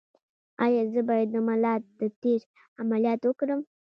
ایا زه باید د ملا د تیر عملیات وکړم؟